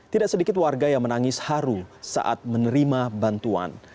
tidak sedikit warga yang menangis haru saat menerima bantuan